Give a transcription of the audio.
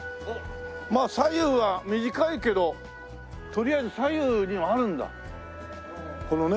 まあ左右は短いけどとりあえず左右にあるんだこのね。